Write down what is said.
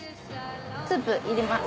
スープ入れます。